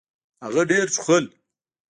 هغه ډېر ټوخل .